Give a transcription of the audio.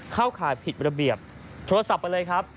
ข่ายผิดระเบียบโทรศัพท์ไปเลยครับ